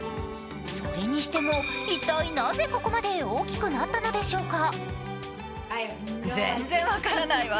それにしても一体なぜここまで大きくなったのでしょうか。